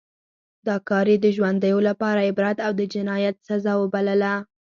دا کار یې د ژوندیو لپاره عبرت او د جنایت سزا وبلله.